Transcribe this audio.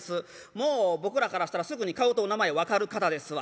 もう僕らからしたらすぐに顔とお名前分かる方ですわ。